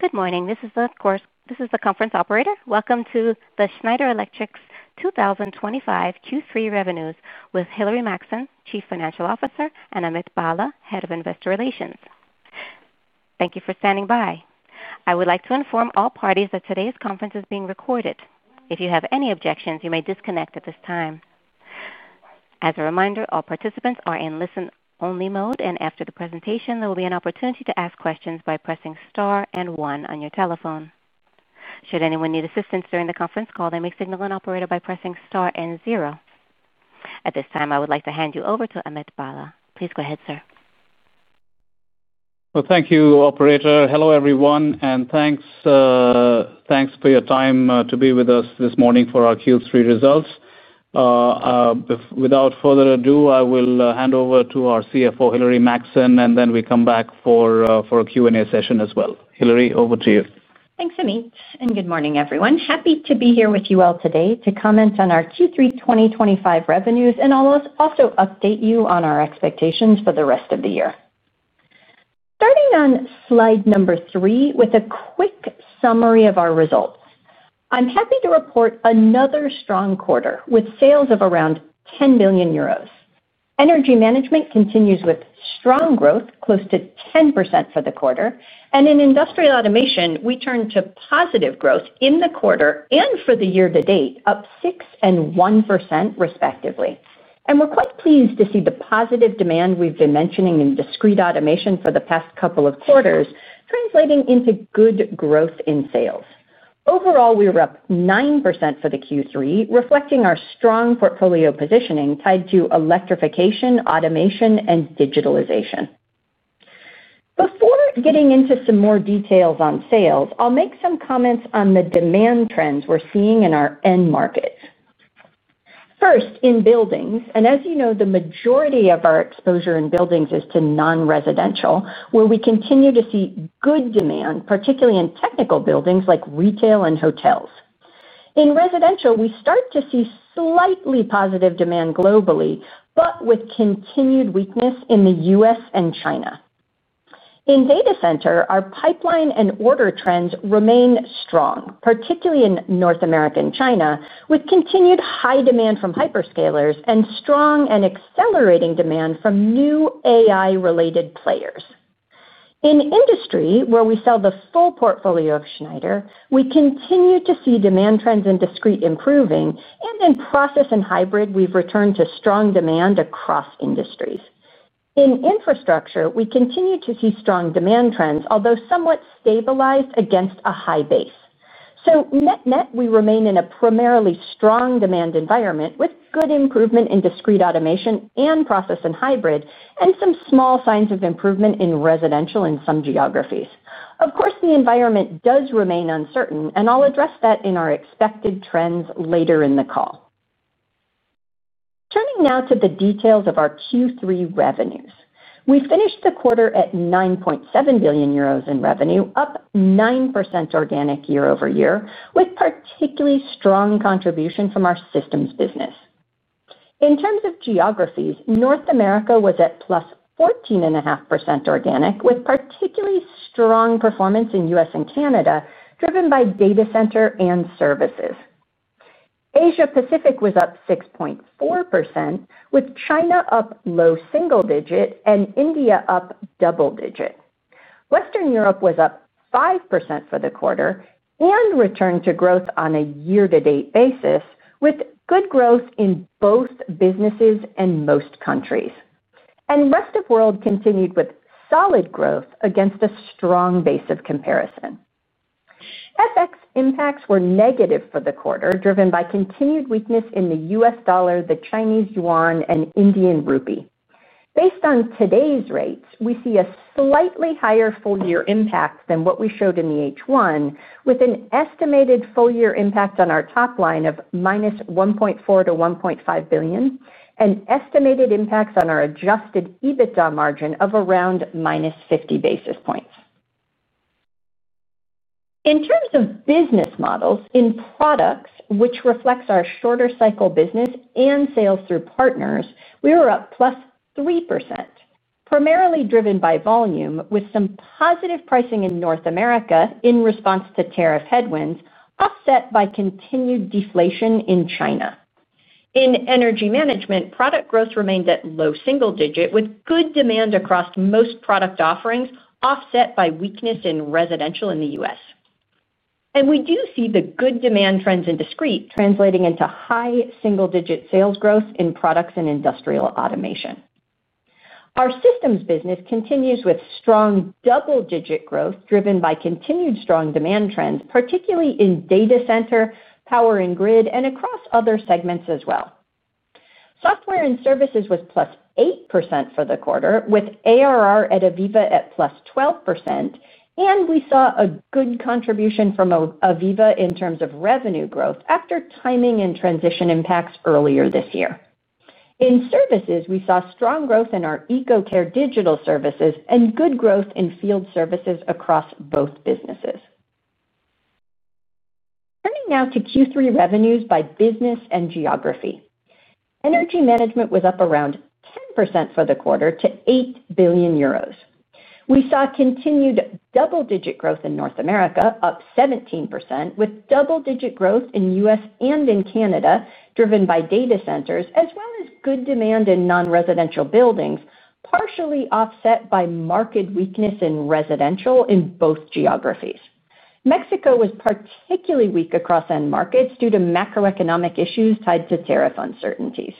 Good morning. This is the conference operator. Welcome to Schneider Electric's 2025 Q3 revenues with Hilary Maxson, Chief Financial Officer, and Amit Bhalla, Head of Investor Relations. Thank you for standing by. I would like to inform all parties that today's conference is being recorded. If you have any objections, you may disconnect at this time. As a reminder, all participants are in listen-only mode, and after the presentation, there will be an opportunity to ask questions by pressing star and one on your telephone. Should anyone need assistance during the conference call, they may signal an operator by pressing star and zero. At this time, I would like to hand you over to Amit Bhalla. Please go ahead, sir. Thank you, operator. Hello everyone, and thanks for your time to be with us this morning for our Q3 results. Without further ado, I will hand over to our CFO, Hilary Maxson, and then we come back for a Q&A session as well. Hilary, over to you. Thanks, Amit, and good morning, everyone. Happy to be here with you all today to comment on our Q3 2025 revenues and also update you on our expectations for the rest of the year. Starting on slide number three with a quick summary of our results. I'm happy to report another strong quarter with sales of around 10 billion euros. Energy Management continues with strong growth, close to 10% for the quarter, and in Industrial Automation, we turned to positive growth in the quarter and for the year to date, up 6% and 1% respectively. We're quite pleased to see the positive demand we've been mentioning in Discrete Automation for the past couple of quarters translating into good growth in sales. Overall, we were up 9% for Q3, reflecting our strong portfolio positioning tied to electrification, automation, and digitalization. Before getting into some more details on sales, I'll make some comments on the demand trends we're seeing in our end markets. First, in buildings, and as you know, the majority of our exposure in buildings is to non-residential, where we continue to see good demand, particularly in technical buildings like retail and hotels. In residential, we start to see slightly positive demand globally, but with continued weakness in the U.S. and China. In Data Center, our pipeline and order trends remain strong, particularly in North America and China, with continued high demand from hyperscalers and strong and accelerating demand from new AI-related players. In industry, where we sell the full portfolio of Schneider Electric, we continue to see demand trends in discrete improving, and in process and hybrid, we've returned to strong demand across industries. In infrastructure, we continue to see strong demand trends, although somewhat stabilized against a high base. Net-net, we remain in a primarily strong demand environment with good improvement in Discrete Automation and process and hybrid, and some small signs of improvement in residential in some geographies. Of course, the environment does remain uncertain, and I'll address that in our expected trends later in the call. Turning now to the details of our Q3 revenues. We finished the quarter at 9.7 billion euros in revenue, up 9% organic year over year, with particularly strong contribution from our systems business. In terms of geographies, North America was at plus 14.5% organic, with particularly strong performance in the U.S. and Canada, driven by Data Center and services. Asia-Pacific was up 6.4%, with China up low single-digit and India up double-digit. Western Europe was up 5% for the quarter and returned to growth on a year-to-date basis, with good growth in both businesses and most countries. The rest of the world continued with solid growth against a strong base of comparison. FX impacts were negative for the quarter, driven by continued weakness in the U.S. dollar, the Chinese yuan, and Indian rupee. Based on today's rates, we see a slightly higher full-year impact than what we showed in H1, with an estimated full-year impact on our top line of -1.4 billion to -1.5 billion, and estimated impacts on our adjusted EBITDA margin of around -50 basis points. In terms of business models, in products, which reflects our shorter cycle business and sales through partners, we were up 3%, primarily driven by volume, with some positive pricing in North America in response to tariff headwinds, offset by continued deflation in China. In Energy Management, product growth remained at low single-digit, with good demand across most product offerings, offset by weakness in residential in the U.S. We do see the good demand trends in discrete translating into high single-digit sales growth in products and Industrial Automation. Our systems business continues with strong double-digit growth, driven by continued strong demand trends, particularly in data center, power and grid, and across other segments as well. Software and services was up 8% for the quarter, with ARR at Aveva at +12%, and we saw a good contribution from Aveva in terms of revenue growth after timing and transition impacts earlier this year. In services, we saw strong growth in our EcoCare digital services and good growth in field services across both businesses. Turning now to Q3 revenues by business and geography. Energy Management was up around 10% for the quarter to 8 billion euros. We saw continued double-digit growth in North America, up 17%, with double-digit growth in the U.S. and in Canada, driven by data centers, as well as good demand in non-residential buildings, partially offset by market weakness in residential in both geographies. Mexico was particularly weak across end markets due to macroeconomic issues tied to tariff uncertainties.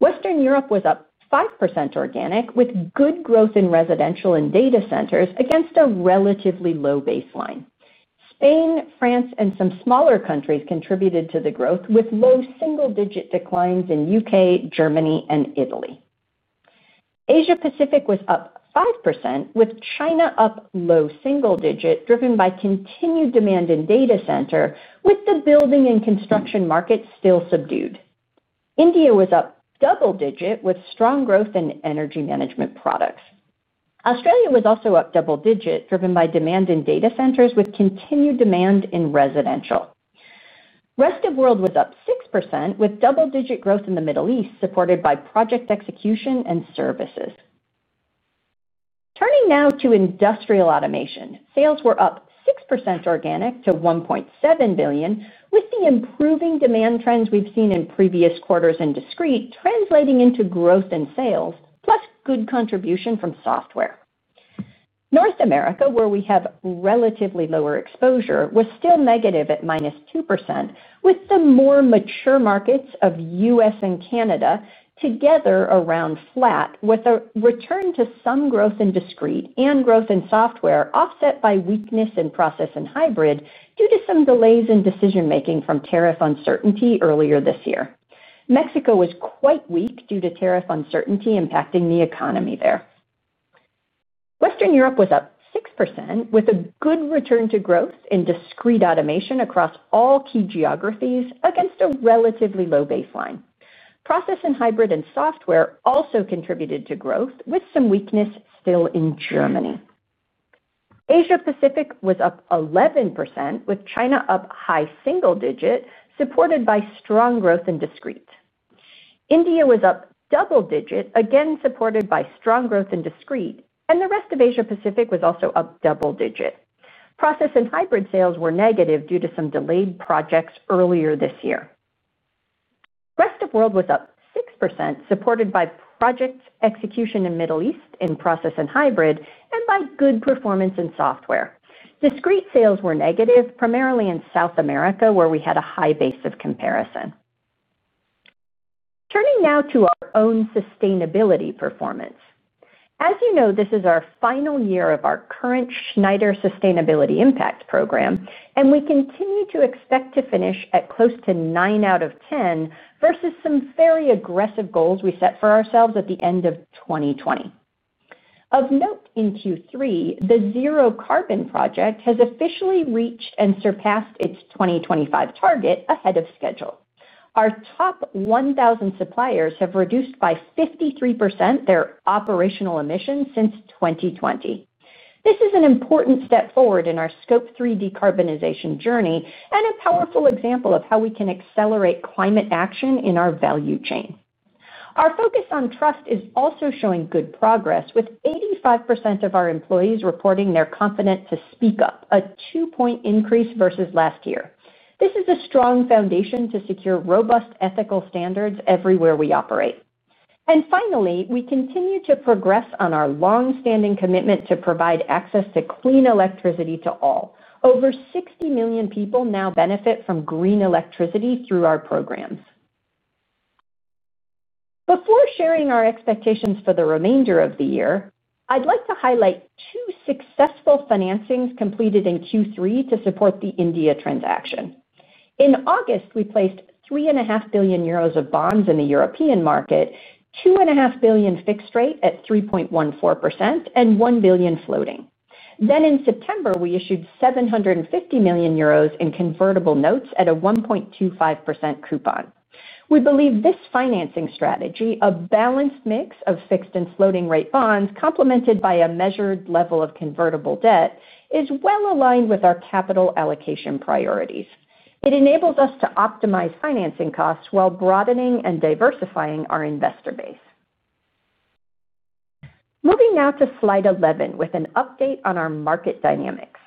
Western Europe was up 5% organic, with good growth in residential and data centers against a relatively low baseline. Spain, France, and some smaller countries contributed to the growth, with low single-digit declines in the U.K., Germany, and Italy. Asia-Pacific was up 5%, with China up low single-digit, driven by continued demand in data center, with the building and construction market still subdued. India was up double-digit, with strong growth in energy management products. Australia was also up double-digit, driven by demand in data centers, with continued demand in residential. The rest of the world was up 6%, with double-digit growth in the Middle East supported by project execution and services. Turning now to industrial automation, sales were up 6% organic to 1.7 billion, with the improving demand trends we've seen in previous quarters in discrete translating into growth in sales, plus good contribution from software. North America, where we have relatively lower exposure, was still negative at minus 2%, with the more mature markets of the U.S. and Canada together around flat, with a return to some growth in discrete and growth in software, offset by weakness in process and hybrid due to some delays in decision-making from tariff uncertainty earlier this year. Mexico was quite weak due to tariff uncertainty impacting the economy there. Western Europe was up 6%, with a good return to growth in discrete automation across all key geographies against a relatively low baseline. Process and hybrid and software also contributed to growth, with some weakness still in Germany. Asia-Pacific was up 11%, with China up high single-digit, supported by strong growth in discrete. India was up double-digit, again supported by strong growth in discrete, and the rest of Asia-Pacific was also up double-digit. Process and hybrid sales were negative due to some delayed projects earlier this year. The rest of the world was up 6%, supported by project execution in the Middle East in process and hybrid, and by good performance in software. Discrete sales were negative, primarily in South America, where we had a high base of comparison. Turning now to our own sustainability performance. As you know, this is our final year of our current Schneider Sustainability Impact Program, and we continue to expect to finish at close to 9 out of 10 versus some very aggressive goals we set for ourselves at the end of 2020. Of note, in Q3, the zero carbon project has officially reached and surpassed its 2025 target ahead of schedule. Our top 1,000 suppliers have reduced by 53% their operational emissions since 2020. This is an important step forward in our Scope 3 decarbonization journey and a powerful example of how we can accelerate climate action in our value chain. Our focus on trust is also showing good progress, with 85% of our employees reporting they're confident to speak up, a two-point increase versus last year. This is a strong foundation to secure robust ethical standards everywhere we operate. Finally, we continue to progress on our longstanding commitment to provide access to clean electricity to all. Over 60 million people now benefit from green electricity through our programs. Before sharing our expectations for the remainder of the year, I'd like to highlight two successful financings completed in Q3 to support the India transaction. In August, we placed 3.5 billion euros of bonds in the European market, 2.5 billion fixed rate at 3.14%, and 1 billion floating. In September, we issued 750 million euros in convertible notes at a 1.25% coupon. We believe this financing strategy, a balanced mix of fixed and floating-rate bonds complemented by a measured level of convertible debt, is well aligned with our capital allocation priorities. It enables us to optimize financing costs while broadening and diversifying our investor base. Moving now to slide 11 with an update on our market dynamics.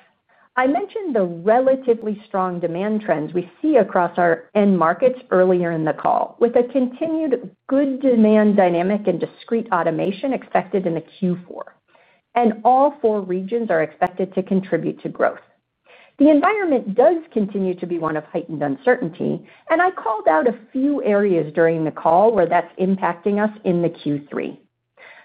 I mentioned the relatively strong demand trends we see across our end markets earlier in the call, with a continued good demand dynamic in discrete automation expected in Q4. All four regions are expected to contribute to growth. The environment does continue to be one of heightened uncertainty, and I called out a few areas during the call where that's impacting us in Q3.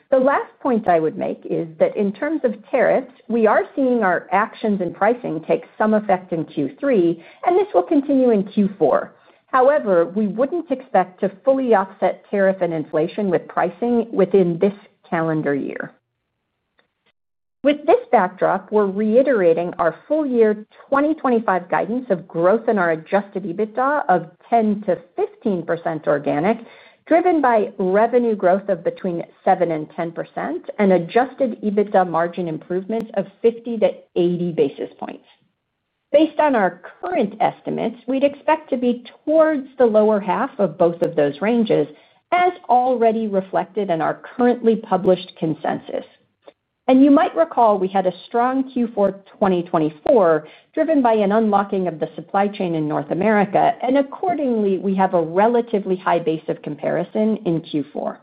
The last point I would make is that in terms of tariffs, we are seeing our actions in pricing take some effect in Q3, and this will continue in Q4. However, we wouldn't expect to fully offset tariff and inflation with pricing within this calendar year. With this backdrop, we're reiterating our full-year 2025 guidance of growth in our adjusted EBITDA of 10%-15% organic, driven by revenue growth of between 7% and 10%, and adjusted EBITDA margin improvements of 50-80 basis points. Based on our current estimates, we'd expect to be towards the lower half of both of those ranges, as already reflected in our currently published consensus. You might recall we had a strong Q4 2024, driven by an unlocking of the supply chain in North America, and accordingly, we have a relatively high base of comparison in Q4.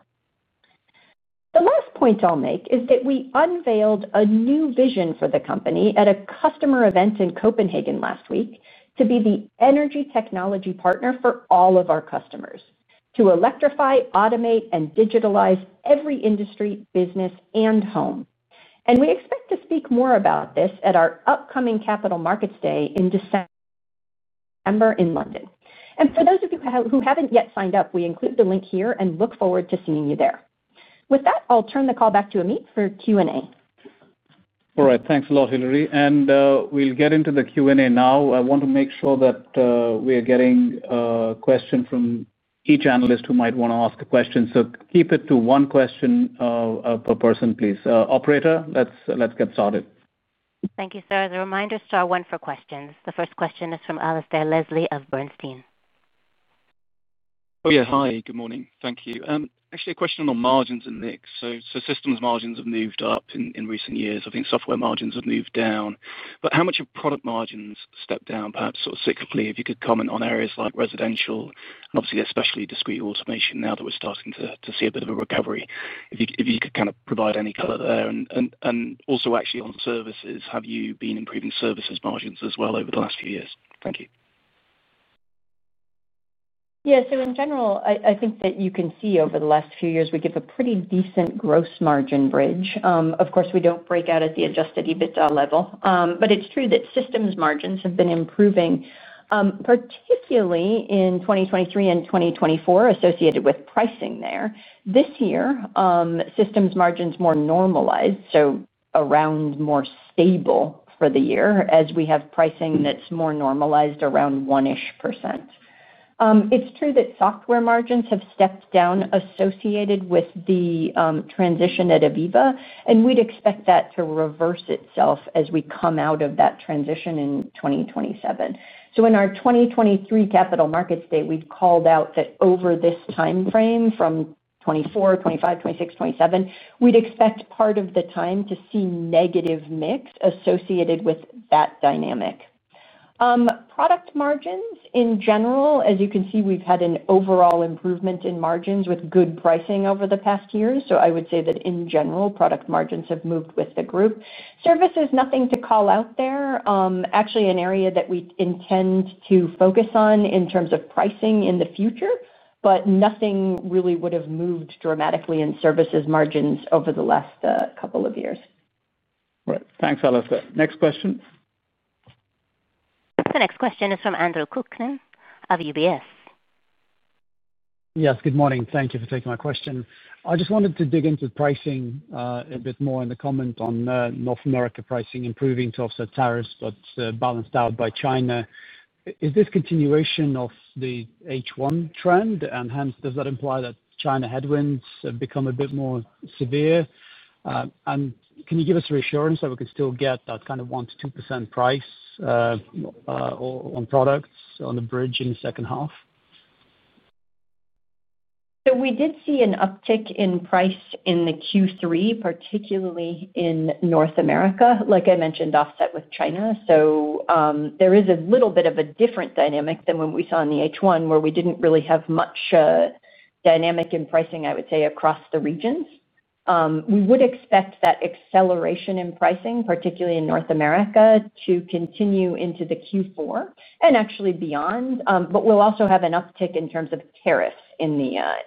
The last point I'll make is that we unveiled a new vision for the company at a customer event in Copenhagen last week to be the energy technology partner for all of our customers, to electrify, automate, and digitalize every industry, business, and home. We expect to speak more about this at our upcoming Capital Markets Day in December in London. For those of you who haven't yet signed up, we include the link here and look forward to seeing you there. With that, I'll turn the call back to Amit for Q&A. All right. Thanks a lot, Hilary. We'll get into the Q&A now. I want to make sure that we are getting a question from each analyst who might want to ask a question. Please keep it to one question per person. Operator, let's get started. Thank you, sir. As a reminder, star one for questions. The first question is from Alasdair Leslie of Bernstein. Oh, yes. Good morning. Thank you. Actually, a question on margins in the mix. Systems margins have moved up in recent years. I think software margins have moved down. How much have product margins stepped down, perhaps sort of cyclically, if you could comment on areas like residential and obviously especially discrete automation now that we're starting to see a bit of a recovery? If you could provide any color there. Also, actually, on services, have you been improving services margins as well over the last few years? Thank you. Yeah. In general, I think that you can see over the last few years, we give a pretty decent gross margin bridge. Of course, we don't break out at the adjusted EBITDA level. It's true that systems margins have been improving, particularly in 2023 and 2024, associated with pricing there. This year, systems margins more normalized, so around more stable for the year, as we have pricing that's more normalized around 1% ish. It's true that software margins have stepped down associated with the transition at Aveva, and we'd expect that to reverse itself as we come out of that transition in 2027. In our 2023 Capital Markets Day, we've called out that over this time frame from 2024, 2025, 2026, 2027, we'd expect part of the time to see negative mix associated with that dynamic. Product margins in general, as you can see, we've had an overall improvement in margins with good pricing over the past years. I would say that in general, product margins have moved with the group. Services, nothing to call out there. Actually, an area that we intend to focus on in terms of pricing in the future, but nothing really would have moved dramatically in services margins over the last couple of years. Right. Thanks, Alasdair. Next question. The next question is from Andre Kukhnin of UBS. Yes. Good morning. Thank you for taking my question. I just wanted to dig into pricing a bit more in the comment on North America pricing improving to offset tariffs, but balanced out by China. Is this a continuation of the H1 trend, does that imply that China headwinds become a bit more severe? Can you give us reassurance that we can still get that kind of 1%-2% price on products on the bridge in the second half? We did see an uptick in price in Q3, particularly in North America, like I mentioned, offset with China. There is a little bit of a different dynamic than what we saw in H1, where we didn't really have much dynamic in pricing, I would say, across the regions. We would expect that acceleration in pricing, particularly in North America, to continue into Q4 and actually beyond. We'll also have an uptick in terms of tariffs in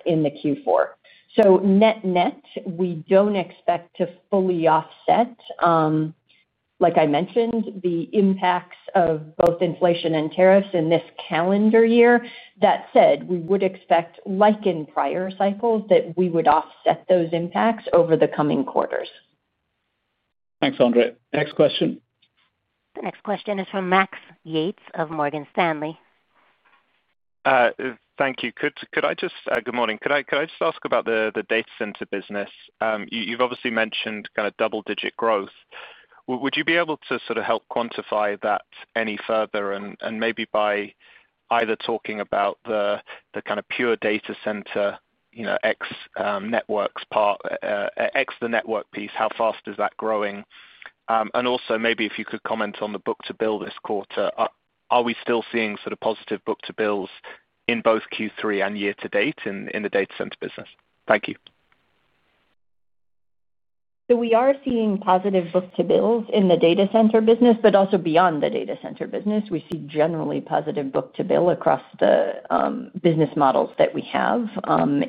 Q4. Net-net, we don't expect to fully offset, like I mentioned, the impacts of both inflation and tariffs in this calendar year. That said, we would expect, like in prior cycles, that we would offset those impacts over the coming quarters. Thanks, Andre. Next question. The next question is from Max Yates of Morgan Stanley. Thank you. Good morning. Could I just ask about the data center business? You've obviously mentioned kind of double-digit growth. Would you be able to sort of help quantify that any further, maybe by either talking about the kind of pure data center, you know, ex-network piece, how fast is that growing? Also, maybe if you could comment on the book-to-bill this quarter. Are we still seeing sort of positive book-to-bills in both Q3 and year to date in the data center business? Thank you. We are seeing positive book-to-bills in the data center business, but also beyond the data center business. We see generally positive book-to-bill across the business models that we have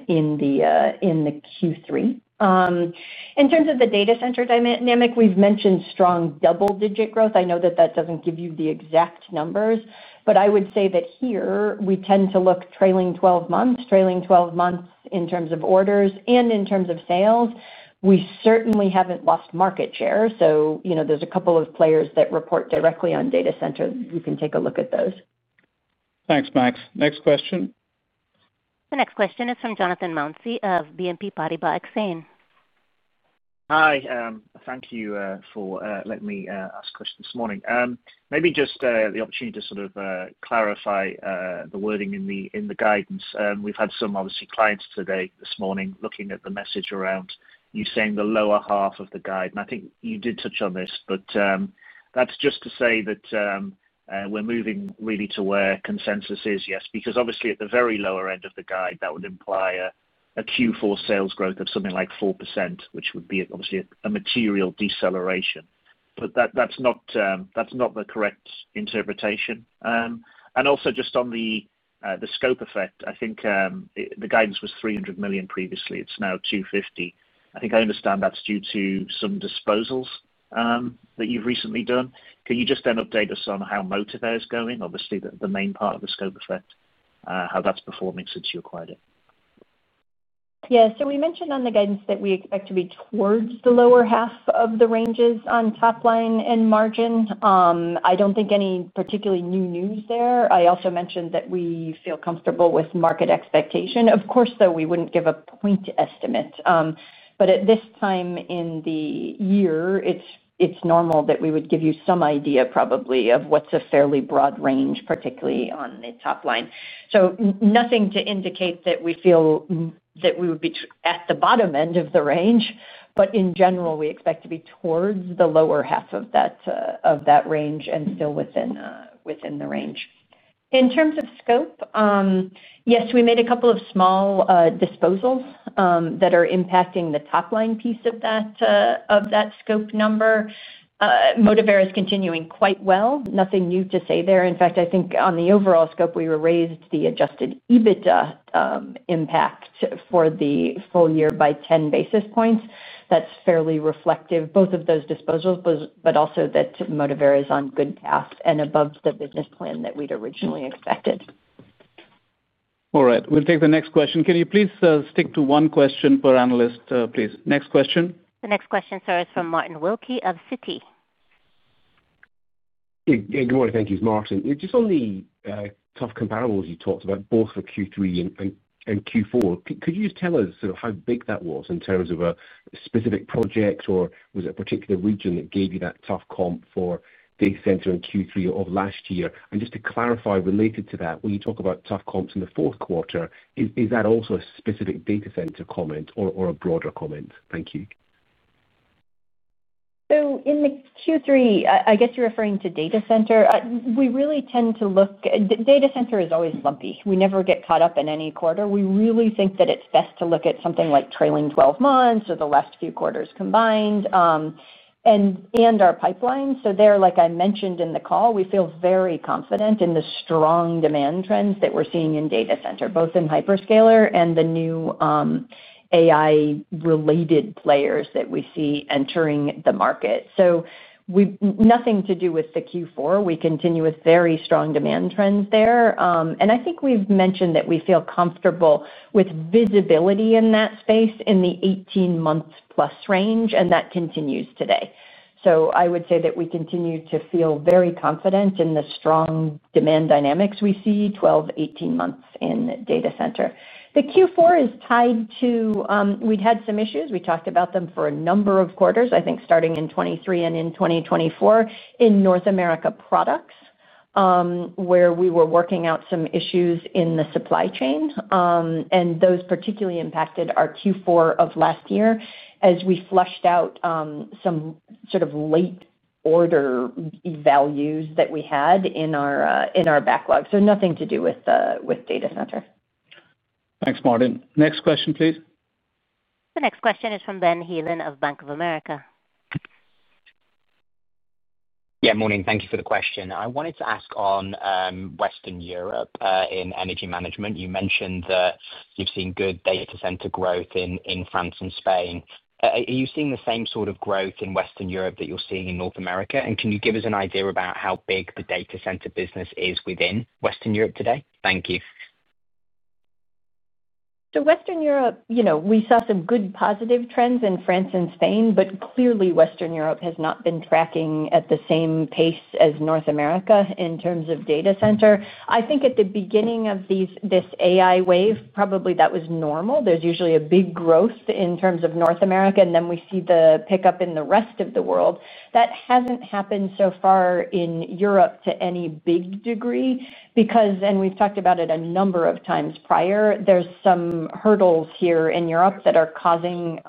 in Q3. In terms of the data center dynamic, we've mentioned strong double-digit growth. I know that doesn't give you the exact numbers, but I would say that here, we tend to look trailing 12 months, trailing 12 months in terms of orders and in terms of sales. We certainly haven't lost market share. There are a couple of players that report directly on data center. You can take a look at those. Thanks, Max. Next question. The next question is from Jonathan Mounsey of BNP Paribas Exane. Hi. Thank you for letting me ask a question this morning. Maybe just the opportunity to sort of clarify the wording in the guidance. We've had some clients today, this morning, looking at the message around you saying the lower half of the guide. I think you did touch on this, but that's just to say that we're moving really to where consensus is, yes. Because at the very lower end of the guide, that would imply a Q4 sales growth of something like 4%, which would be a material deceleration. That's not the correct interpretation. Also, just on the scope effect, I think the guidance was 300 million previously. It's now 250 million. I think I understand that's due to some disposals that you've recently done. Can you just then update us on how Motivair is going? The main part of the scope effect, how that's performing since you acquired it. Yeah. We mentioned on the guidance that we expect to be towards the lower half of the ranges on top line and margin. I don't think any particularly new news there. I also mentioned that we feel comfortable with market expectation. Of course, though, we wouldn't give a point estimate. At this time in the year, it's normal that we would give you some idea, probably, of what's a fairly broad range, particularly on the top line. Nothing to indicate that we feel that we would be at the bottom end of the range. In general, we expect to be towards the lower half of that range and still within the range. In terms of scope, yes, we made a couple of small disposals that are impacting the top line piece of that scope number. Motivair is continuing quite well. Nothing new to say there. In fact, I think on the overall scope, we raised the adjusted EBITDA impact for the full year by 10 basis points. That's fairly reflective both of those disposals, but also that Motivair is on good path and above the business plan that we'd originally expected. All right. We'll take the next question. Can you please stick to one question per analyst, please? Next question. The next question, sir, is from Martin Wilkie of Citi. Good morning. Thank you. It's Martin. Just on the tough comparables you talked about, both for Q3 and Q4, could you just tell us sort of how big that was in terms of a specific project, or was it a particular region that gave you that tough comp for data center in Q3 of last year? Just to clarify, related to that, when you talk about tough comps in the fourth quarter, is that also a specific data center comment or a broader comment? Thank you. In Q3, I guess you're referring to data center. We really tend to look at data center as always lumpy. We never get caught up in any quarter. We really think that it's best to look at something like trailing 12 months or the last few quarters combined and our pipeline. Like I mentioned in the call, we feel very confident in the strong demand trends that we're seeing in data center, both in hyperscaler and the new AI-related players that we see entering the market. Nothing to do with Q4. We continue with very strong demand trends there. I think we've mentioned that we feel comfortable with visibility in that space in the 18+ months range, and that continues today. I would say that we continue to feel very confident in the strong demand dynamics we see 12-18 months in data center. Q4 is tied to we'd had some issues. We talked about them for a number of quarters, I think starting in 2023 and in 2024, in North America products, where we were working out some issues in the supply chain. Those particularly impacted our Q4 of last year as we flushed out some sort of late order values that we had in our backlog. Nothing to do with data center. Thanks, Martin. Next question, please. The next question is from Ben Heelan of Bank of America. Yeah. Morning. Thank you for the question. I wanted to ask on Western Europe in energy management. You mentioned that you've seen good data center growth in France and Spain. Are you seeing the same sort of growth in Western Europe that you're seeing in North America? Can you give us an idea about how big the data center business is within Western Europe today? Thank you. Western Europe, you know, we saw some good positive trends in France and Spain, but clearly, Western Europe has not been tracking at the same pace as North America in terms of data center. I think at the beginning of this AI wave, probably that was normal. There's usually a big growth in terms of North America, and then we see the pickup in the rest of the world. That hasn't happened so far in Europe to any big degree because, and we've talked about it a number of times prior, there are some hurdles here in Europe that are causing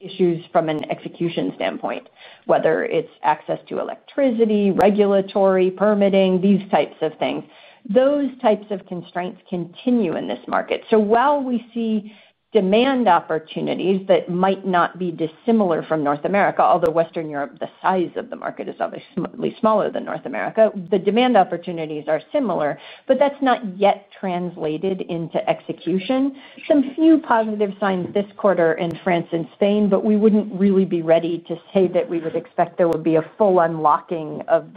issues from an execution standpoint, whether it's access to electricity, regulatory, permitting, these types of things. Those types of constraints continue in this market. While we see demand opportunities that might not be dissimilar from North America, although Western Europe, the size of the market is obviously smaller than North America, the demand opportunities are similar, but that's not yet translated into execution. Some few positive signs this quarter in France and Spain, but we wouldn't really be ready to say that we would expect there would be a full unlocking of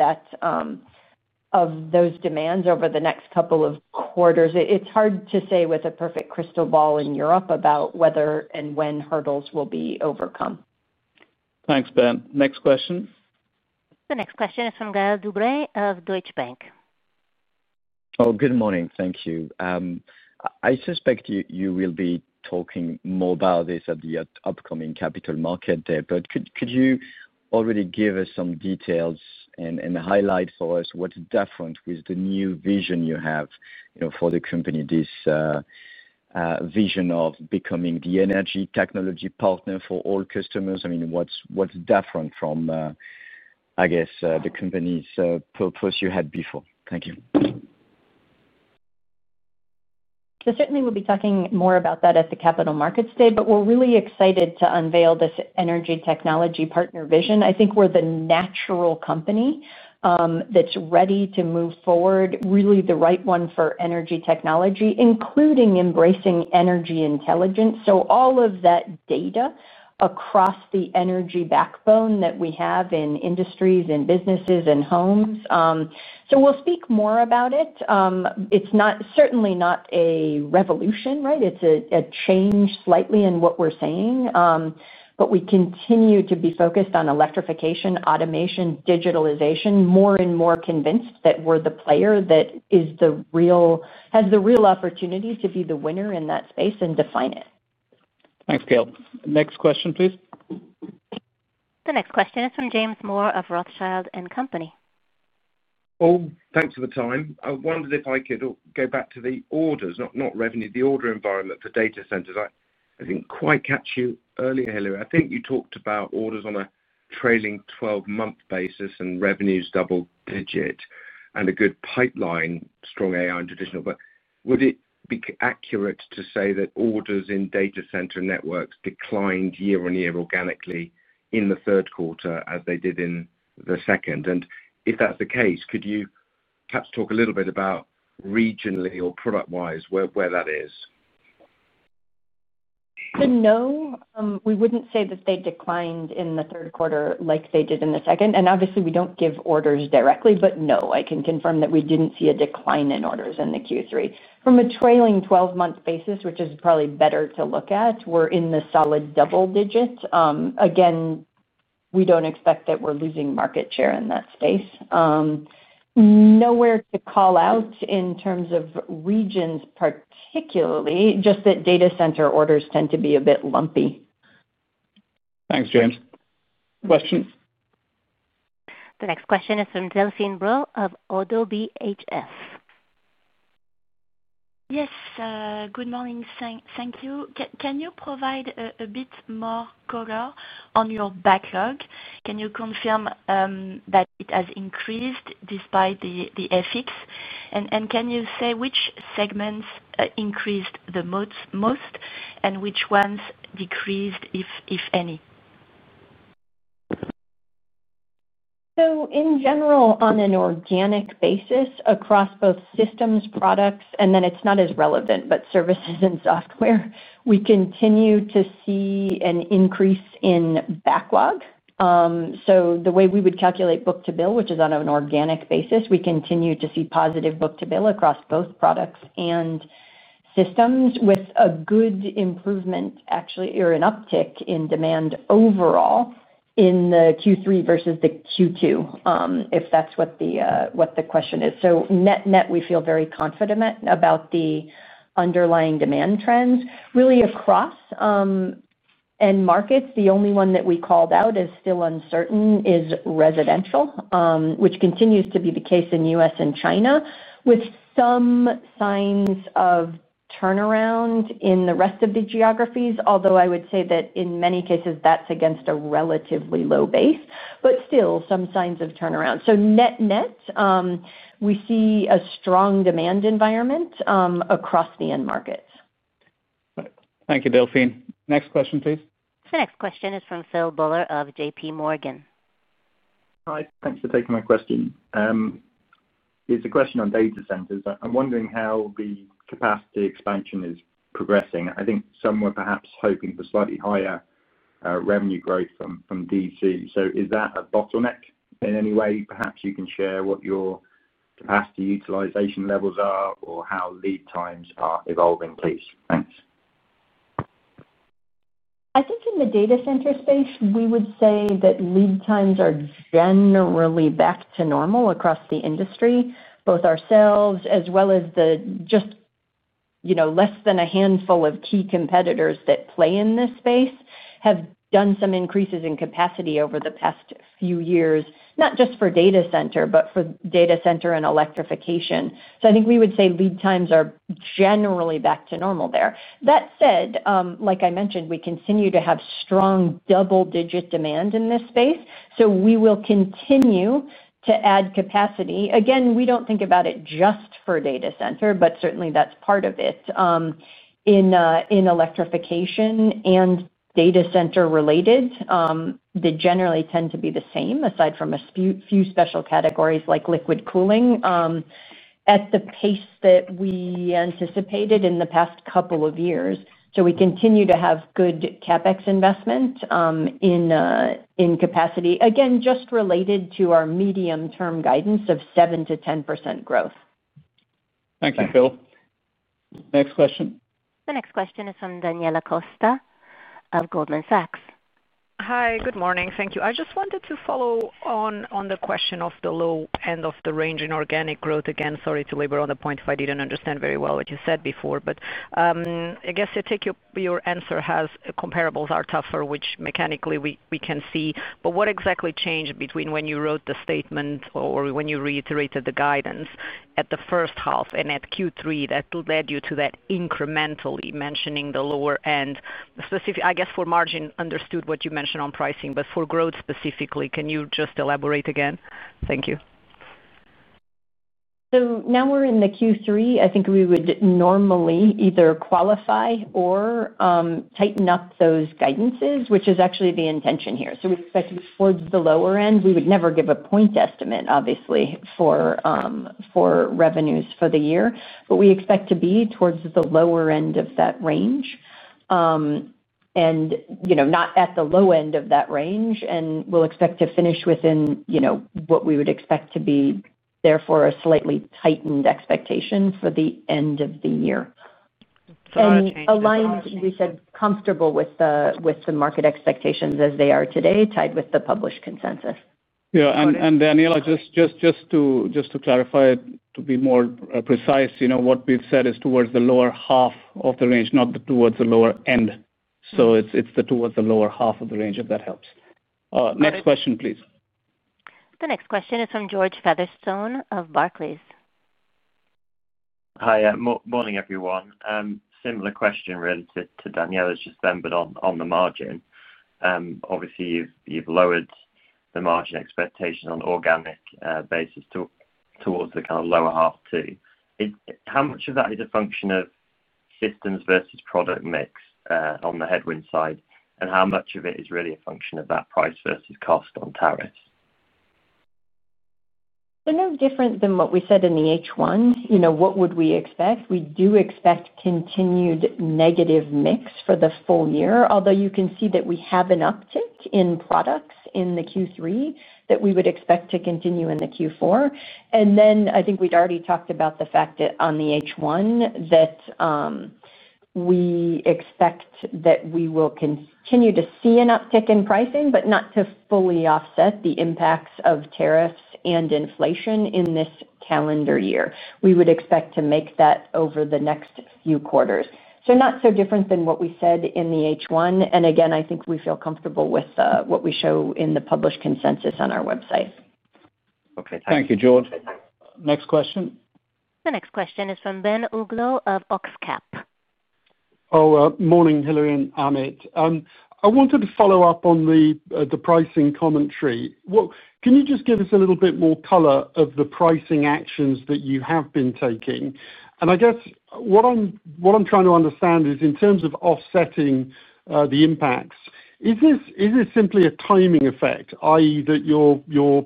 those demands over the next couple of quarters. It's hard to say with a perfect crystal ball in Europe about whether and when hurdles will be overcome. Thanks, Ben. Next question. The next question is from Gaël De Bray of Deutsche Bank. Oh, good morning. Thank you. I suspect you will be talking more about this at the upcoming Capital Markets Day, but could you already give us some details and highlight for us what's different with the new vision you have for the company, this vision of becoming the energy technology partner for all customers? I mean, what's different from, I guess, the company's purpose you had before? Thank you. We will be talking more about that at the Capital Markets Day, but we're really excited to unveil this energy technology partner vision. I think we're the natural company that's ready to move forward, really the right one for energy technology, including embracing energy intelligence. All of that data across the energy backbone that we have in industries and businesses and homes. We'll speak more about it. It's certainly not a revolution, it's a change slightly in what we're saying. We continue to be focused on electrification, automation, digitalization, more and more convinced that we're the player that has the real opportunity to be the winner in that space and define it. Thanks, Gaël. Next question, please. The next question is from James Moore of Rothschild & Company. Oh, thanks for the time. I wondered if I could go back to the orders, not revenue, the order environment for data centers. I didn't quite catch you earlier, Hilary. I think you talked about orders on a trailing 12-month basis and revenues double-digit and a good pipeline, strong AI and traditional. Would it be accurate to say that orders in data center networks declined year on year organically in the third quarter as they did in the second? If that's the case, could you perhaps talk a little bit about regionally or product-wise where that is? No, we wouldn't say that they declined in the third quarter like they did in the second. Obviously, we don't give orders directly, but no, I can confirm that we didn't see a decline in orders in Q3. From a trailing 12-month basis, which is probably better to look at, we're in the solid double-digit. Again, we don't expect that we're losing market share in that space. Nowhere to call out in terms of regions, particularly, just that data center orders tend to be a bit lumpy. Thanks, James. Question? The next question is from Delphine Brault of ODDO BHF. Yes. Good morning. Thank you. Can you provide a bit more color on your backlog? Can you confirm that it has increased despite the FX? Can you say which segments increased the most and which ones decreased, if any? In general, on an organic basis across both systems, products, and then it's not as relevant, but services and software, we continue to see an increase in backlog. The way we would calculate book-to-bill, which is on an organic basis, we continue to see positive book-to-bill across both products and systems with a good improvement, actually, or an uptick in demand overall in Q3 versus Q2, if that's what the question is. Net-net, we feel very confident about the underlying demand trends. Really, across end markets, the only one that we called out as still uncertain is residential, which continues to be the case in the U.S. and China, with some signs of turnaround in the rest of the geographies, although I would say that in many cases, that's against a relatively low base, but still some signs of turnaround. Net-net, we see a strong demand environment across the end markets. Right. Thank you, Delphine. Next question, please. The next question is from Phil Buller of JPMorgan. Hi. Thanks for taking my question. It's a question on data centers. I'm wondering how the capacity expansion is progressing. I think some were perhaps hoping for slightly higher revenue growth from DC. Is that a bottleneck in any way? Perhaps you can share what your capacity utilization levels are or how lead times are evolving, please. Thanks. I think in the data center space, we would say that lead times are generally back to normal across the industry. Both ourselves, as well as less than a handful of key competitors that play in this space, have done some increases in capacity over the past few years, not just for data center, but for data center and electrification. I think we would say lead times are generally back to normal there. That said, like I mentioned, we continue to have strong double-digit demand in this space. We will continue to add capacity. We don't think about it just for data center, but certainly, that's part of it. In electrification and data center related, they generally tend to be the same, aside from a few special categories like liquid cooling, at the pace that we anticipated in the past couple of years. We continue to have good CapEx investment in capacity, again, just related to our medium-term guidance of 7% to 10% growth. Thank you, Phil. Next question. The next question is from Daniela Costa of Goldman Sachs. Hi. Good morning. Thank you. I just wanted to follow on the question of the low end of the range in organic growth. Sorry to labor on the point if I didn't understand very well what you said before. I guess I take your answer as comparables are tougher, which mechanically we can see. What exactly changed between when you wrote the statement or when you reiterated the guidance at the first half and at Q3 that led you to that incrementally, mentioning the lower end? I guess for margin, understood what you mentioned on pricing, but for growth specifically, can you just elaborate again? Thank you. We are now in Q3. I think we would normally either qualify or tighten up those guidances, which is actually the intention here. We expect to be towards the lower end. We would never give a point estimate, obviously, for revenues for the year, but we expect to be towards the lower end of that range, and not at the low end of that range. We expect to finish within what we would expect to be, therefore, a slightly tightened expectation for the end of the year. Aligned, we said comfortable with the market expectations as they are today, tied with the published consensus. Yeah. Daniela, just to clarify, to be more precise, you know what we've said is towards the lower half of the range, not towards the lower end. It's towards the lower half of the range, if that helps. Next question, please. The next question is from George Featherstone of Barclays. Hi. Morning, everyone. Similar question really to Daniela's just then, but on the margin. Obviously, you've lowered the margin expectation on an organic basis towards the kind of lower half too. How much of that is a function of systems versus product mix on the headwind side, and how much of it is really a function of that price versus cost on tariffs? No different than what we said in the H1. You know, what would we expect? We do expect continued negative mix for the full year, although you can see that we have an uptick in products in the Q3 that we would expect to continue in the Q4. I think we'd already talked about the fact that on the H1 that we expect that we will continue to see an uptick in pricing, but not to fully offset the impacts of tariffs and inflation in this calendar year. We would expect to make that over the next few quarters. Not so different than what we said in the H1. I think we feel comfortable with what we show in the published consensus on our website. Okay. Thank you. Thank you, George. Next question. The next question is from Ben Uglow of Oxcap. Oh, morning, Hilary and Amit. I wanted to follow up on the pricing commentary. Can you just give us a little bit more color of the pricing actions that you have been taking? I guess what I'm trying to understand is in terms of offsetting the impacts, is this simply a timing effect, i.e., that your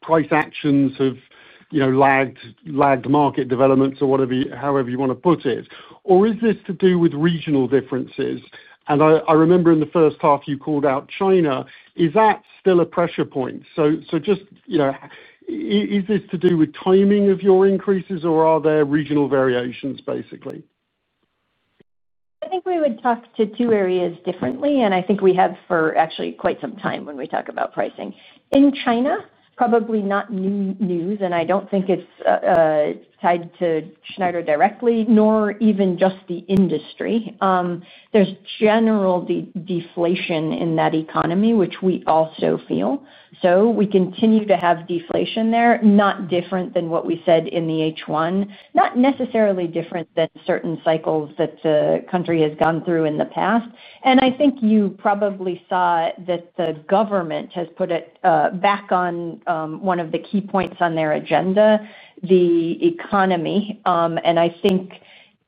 price actions have lagged market developments, or however you want to put it? Is this to do with regional differences? I remember in the first half, you called out China. Is that still a pressure point? Just, you know, is this to do with timing of your increases, or are there regional variations, basically? I think we would talk to two areas differently, and I think we have for actually quite some time when we talk about pricing. In China, probably not new news, and I don't think it's tied to Schneider Electric directly, nor even just the industry. There's general deflation in that economy, which we also feel. We continue to have deflation there, not different than what we said in the H1, not necessarily different than certain cycles that the country has gone through in the past. I think you probably saw that the government has put it back on one of the key points on their agenda, the economy. I think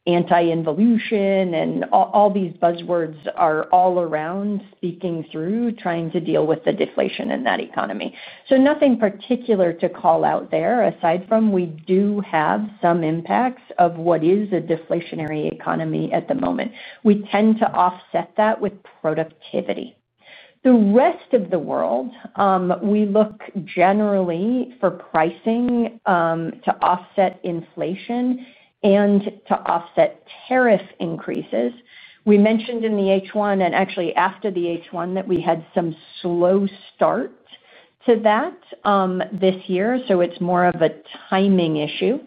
anti-involution and all these buzzwords are all around speaking through, trying to deal with the deflation in that economy. Nothing particular to call out there, aside from we do have some impacts of what is a deflationary economy at the moment. We tend to offset that with productivity. The rest of the world, we look generally for pricing to offset inflation and to offset tariff increases. We mentioned in the H1, and actually after the H1, that we had some slow start to that this year. It's more of a timing issue.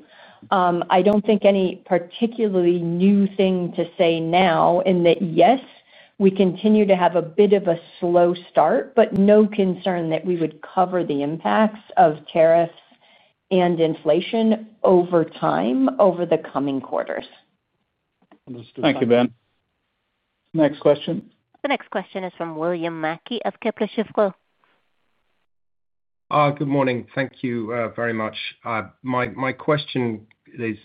I don't think any particularly new thing to say now in that, yes, we continue to have a bit of a slow start, but no concern that we would cover the impacts of tariffs and inflation over time over the coming quarters. Understood. Thank you, Ben. Next question. The next question is from William Mackie of Kepler Cheuvreux. Good morning. Thank you very much. My question is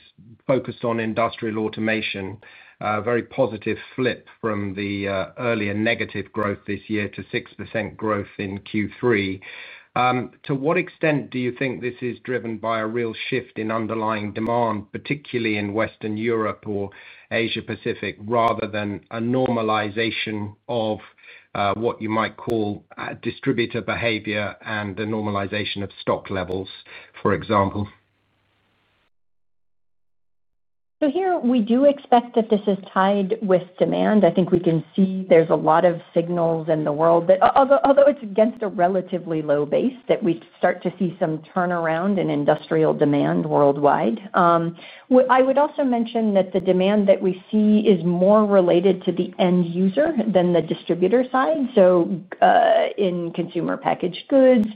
focused on industrial automation, a very positive flip from the earlier negative growth this year to 6% growth in Q3. To what extent do you think this is driven by a real shift in underlying demand, particularly in Western Europe or Asia-Pacific, rather than a normalization of what you might call distributor behavior and the normalization of stock levels, for example? Here, we do expect that this is tied with demand. I think we can see there's a lot of signals in the world that, although it's against a relatively low base, we start to see some turnaround in industrial demand worldwide. I would also mention that the demand that we see is more related to the end user than the distributor side, in consumer packaged goods,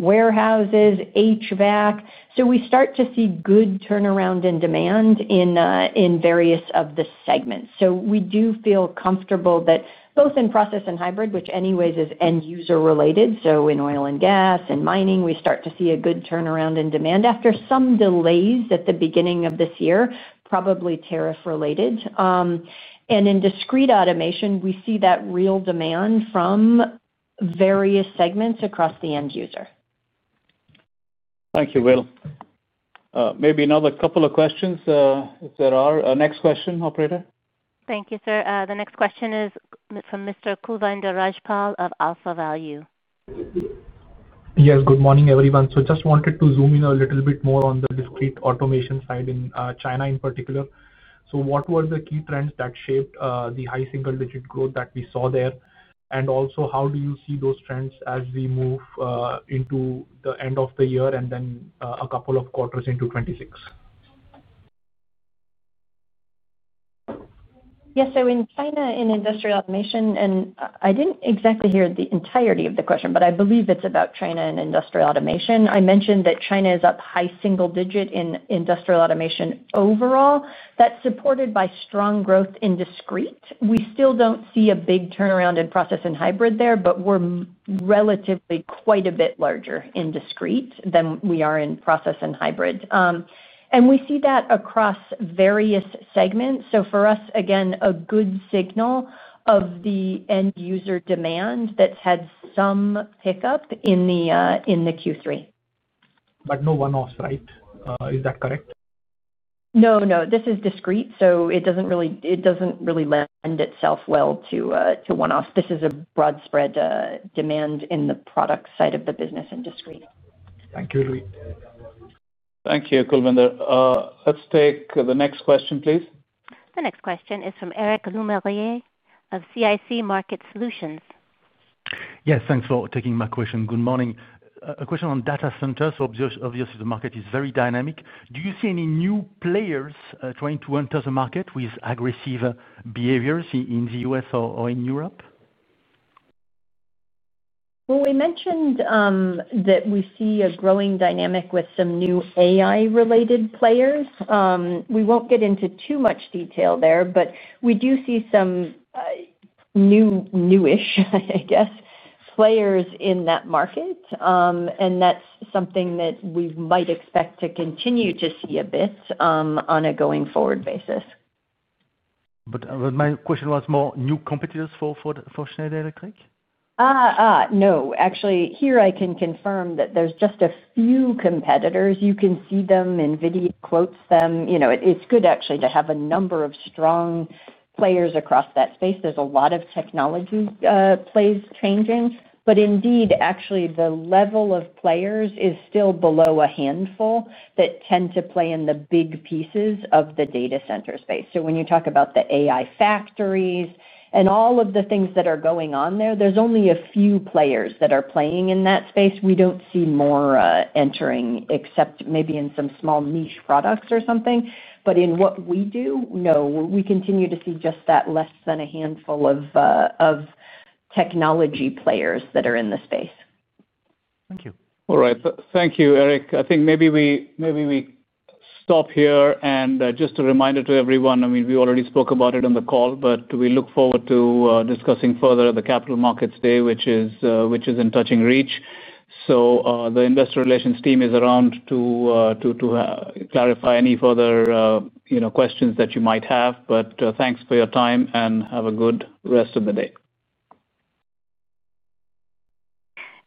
warehouses, HVAC. We start to see good turnaround in demand in various of the segments. We do feel comfortable that both in process and hybrid, which anyways is end user related, in oil and gas and mining, we start to see a good turnaround in demand after some delays at the beginning of this year, probably tariff related. In discrete automation, we see that real demand from various segments across the end user. Thank you, Will. Maybe another couple of questions if there are. Next question, operator. Thank you, sir. The next question is from Mr. Kulwinder Rajpal of AlphaValue. Yes. Good morning, everyone. I just wanted to zoom in a little bit more on the discrete automation side in China in particular. What were the key trends that shaped the high single-digit growth that we saw there? Also, how do you see those trends as we move into the end of the year and then a couple of quarters into 2026? Yeah. In China, in industrial automation, I didn't exactly hear the entirety of the question, but I believe it's about China and industrial automation. I mentioned that China is up high single digit in industrial automation overall. That's supported by strong growth in discrete. We still don't see a big turnaround in process and hybrid there, but we're relatively quite a bit larger in discrete than we are in process and hybrid. We see that across various segments. For us, again, a good signal of the end user demand that's had some pickup in Q3. No one-offs, right? Is that correct? No, no. This is discrete, so it doesn't really lend itself well to one-offs. This is a broad-spread demand in the product side of the business in discrete. Thank you, Hilary. Thank you, Kulwinder. Let's take the next question, please. The next question is from Eric Lemarié of CIC Market Solutions. Yes. Thanks for taking my question. Good morning. A question on data centers. Obviously, the market is very dynamic. Do you see any new players trying to enter the market with aggressive behaviors in the U.S. or in Europe? We mentioned that we see a growing dynamic with some new AI-related players. We won't get into too much detail there, but we do see some newish, I guess, players in that market. That's something that we might expect to continue to see a bit on a going-forward basis. My question was more new competitors for Schneider Electric? No, actually. Here, I can confirm that there's just a few competitors. You can see them. Nvidia quotes them. It's good, actually, to have a number of strong players across that space. There's a lot of technology plays changing. Indeed, actually, the level of players is still below a handful that tend to play in the big pieces of the data center space. When you talk about the AI factories and all of the things that are going on there, there's only a few players that are playing in that space. We don't see more entering, except maybe in some small niche products or something. In what we do, no, we continue to see just that less than a handful of technology players that are in the space. Thank you. All right. Thank you, Eric. I think maybe we stop here. Just a reminder to everyone, I mean, we already spoke about it on the call, we look forward to discussing further the Capital Markets Day, which is in touching reach. The investor relations team is around to clarify any further questions that you might have. Thanks for your time, and have a good rest of the day.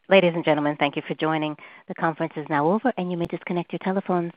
Ladies and gentlemen, thank you for joining. The conference is now over, and you may disconnect your telephones.